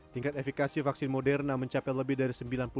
tingkat efekasi vaksin moderna mencapai lebih dari sembilan puluh